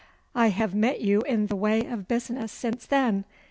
'I have met you in the way of business since then.